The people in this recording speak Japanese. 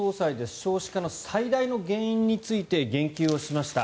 少子化の最大の原因について言及をしました。